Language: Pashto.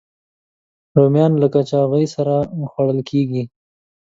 رومیان له کاچوغې سره خوړل کېږي